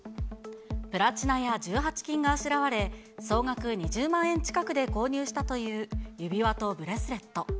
プラチナや１８金があしらわれ、総額２０万円近くで購入したという指輪とブレスレット。